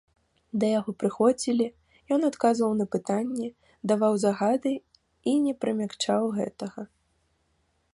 Да яго прыходзілі, ён адказваў на пытанні, даваў загады і не прыкмячаў гэтага.